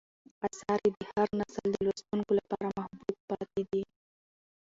آثار یې د هر نسل د لوستونکو لپاره محبوب پاتې دي.